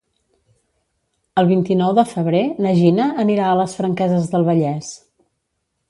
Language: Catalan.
El vint-i-nou de febrer na Gina anirà a les Franqueses del Vallès.